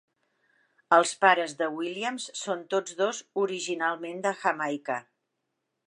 Els pares de Williams són tots dos originalment de Jamaica.